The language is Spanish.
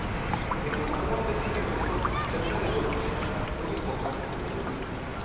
Encontramos este recurso cerca de dos escenas muy importantes en el libro.